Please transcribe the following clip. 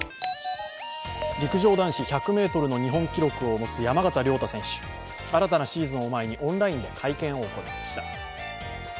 陸上男子１００ｍの日本記録を持つ山縣亮太選手、新たなシーズンを前にオンラインで会見を行いました。